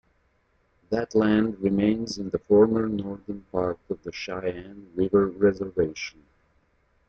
That land remains in the former northern part of the Cheyenne River Reservation.